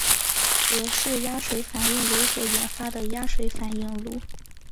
俄式压水反应炉所研发的压水反应炉。